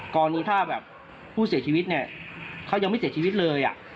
กรณีถ้าแบบผู้เสียชีวิตเนี่ยเขายังไม่เสียชีวิตเลย